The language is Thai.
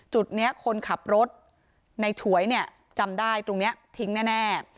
จุดนี้คนขับรถในฉวยเนี่ยจำได้ตรงนี้ทิ้งแน่